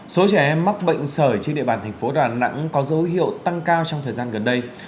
số trẻ em mắc bệnh sởi trên địa bàn thành phố đà nẵng có dấu hiệu tăng cao trong thời gian gần đây